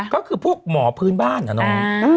ก็คือพวกหมอพื้นบ้านอะน้อง